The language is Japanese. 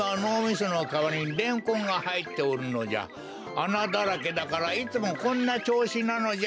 あなだらけだからいつもこんなちょうしなのじゃ。